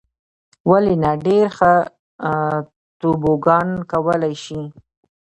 ولې نه. ډېر ښه توبوګان کولای شې.